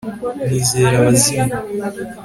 Nizera abazimu